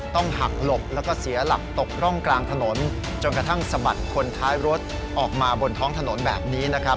ต้องหักหลบแล้วก็เสียหลักตกร่องกลางถนนจนกระทั่งสะบัดคนท้ายรถออกมาบนท้องถนนแบบนี้นะครับ